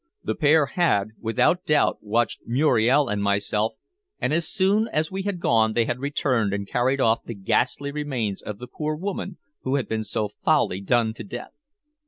The pair had, without doubt, watched Muriel and myself, and as soon as we had gone they had returned and carried off the ghastly remains of the poor woman who had been so foully done to death.